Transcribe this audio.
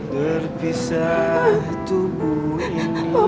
maafin ajeng pak